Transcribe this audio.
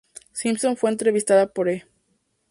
Simpson fue entrevistada por E!